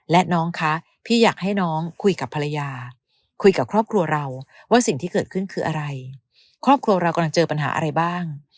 และน้องคะพี่อยากให้น้องคุยกับภรรยาคุยกับครอบครัวเราว่าสิ่งที่เกิดขึ้นคืออะไรครอบครัวเรากำลังเจอปัญหาอะไรบ้าง